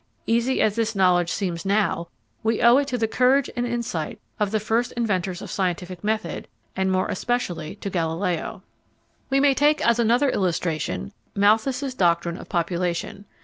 Easy as this knowledge seems now, we owe it to the courage and insight of the first inventors of scientific method, and more especially of Galileo. We may take as another illustration Malthus's doctrine of population.